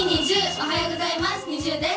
おはようございます。